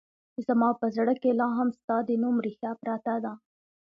زما په زړه کې لا هم ستا د نوم رېښه پرته ده